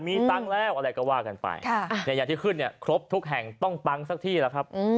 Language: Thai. มีตังค์แล้วอะไรก็ว่ากันไปอย่างที่ขึ้นเนี่ยครบทุกแห่งต้องปังสักที่แล้วครับ